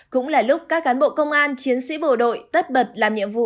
cũng là lúc các cán bộ công an chiến sĩ bộ đội tất bật làm nhiệm vụ